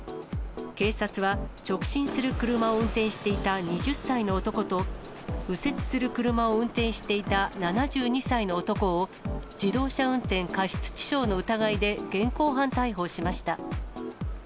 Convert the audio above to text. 警察は、直進する車を運転していた２０歳の男と、右折する車を運転していた７２歳の男を、自動車運転過失致傷の疑いで現行犯逮捕しました。